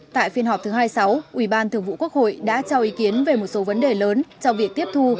tại phiên họp thứ hai mươi sáu ủy ban thường vụ quốc hội đã cho ý kiến về một số vấn đề lớn trong việc tiếp thu